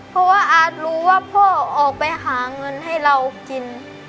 เพราะว่าอาร์ตรู้ว่าพ่อออกไปหาเงินให้เรากิน